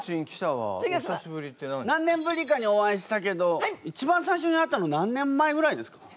何年ぶりかにお会いしたけど一番最初に会ったの何年前ぐらいですか？